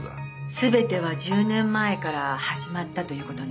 全ては１０年前から始まったという事ね。